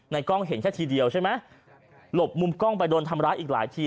กล้องเห็นแค่ทีเดียวใช่ไหมหลบมุมกล้องไปโดนทำร้ายอีกหลายที